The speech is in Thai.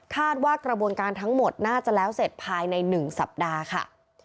ว่ากระบวนการทั้งหมดน่าจะแล้วเสร็จภายใน๑สัปดาห์ค่ะ